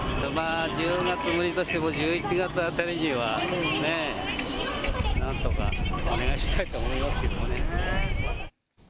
１０月は無理としても、１１月あたりには、なんとかお願いしたいと思いますけどもね。